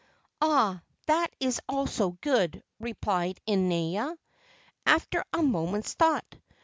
"Ah, that also is good," replied Inaina, after a moment's thought.